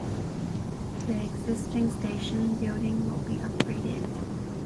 The existing station building will be upgraded.